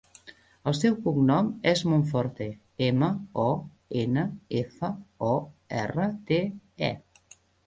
El seu cognom és Monforte: ema, o, ena, efa, o, erra, te, e.